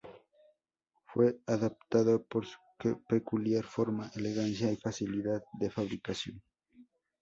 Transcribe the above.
Fue adaptado por su peculiar forma, elegancia y facilidad de fabricación.